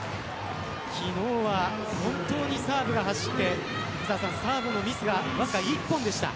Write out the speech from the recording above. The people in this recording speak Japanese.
昨日は本当にサーブが走ってサーブのミスがわずか１本でした。